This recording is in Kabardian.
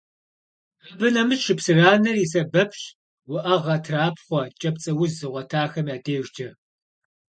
Абы нэмыщӏ шыпсыранэр и сэбэпщ уӏэгъэ, трапхъуэ, кӏапцӏэуз зыгъуэтахэм я дежкӏэ.